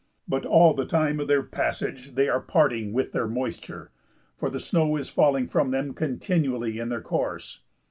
But all the time of their passage they are parting with their moisture, for the snow is falling from them continually in their course.